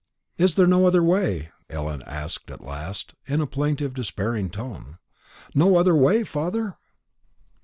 "Is there no other way?" Ellen asked at last, in a plaintive despairing tone; "no other way, father?"